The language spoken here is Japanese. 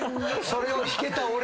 それを引けた俺。